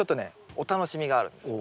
お楽しみがあるんですよね。